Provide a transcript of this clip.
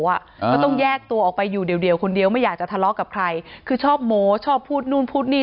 ก็ต้องแยกตัวออกไปอยู่เดียวคนเดียวไม่อยากจะทะเลาะกับใครคือชอบโมชอบพูดนู่นพูดนี่